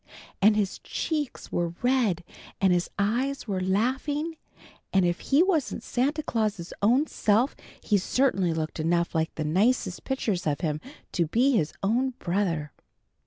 And his cheeks were red and his eyes were laughing, and if he wasn't Santa Claus's own self he certainly looked enough like the nicest pictures of him to be his own brother.